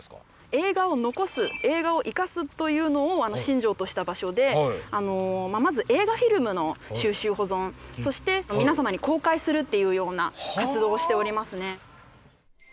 「映画を残す、映画を活かす。」というのを信条とした場所でまず映画フィルムの収集・保存そして皆様に公開するっていうような活動をしておりますね。